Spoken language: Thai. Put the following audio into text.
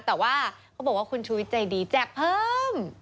แต่ว่าเขาบอกว่าคุณชุวิตใจดีแจกเพิ่ม